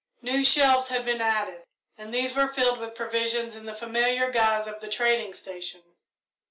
New shelves had been added, and these were filled with provisions in the familiar guise of the trading station.